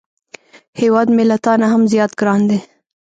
هیواد مې له تا نه هم زیات ګران دی